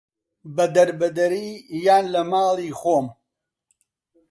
بە دەربەدەری یان لە ماڵی خۆم